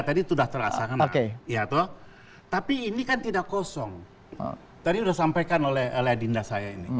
tadi sudah terasa oke iya tuh tapi ini kan tidak kosong tadi udah sampaikan oleh ledinda saya ini